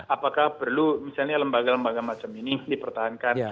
apakah perlu misalnya lembaga lembaga macam ini dipertahankan